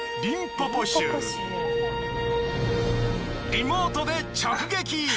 リモートで直撃。